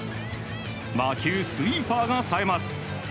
魔球スイーパーがさえます。